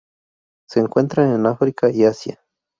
Se encuentran en África y Asia.